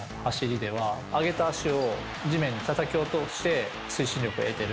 内野安打の走りでは上げた足を地面にたたき落として、推進力を得てる。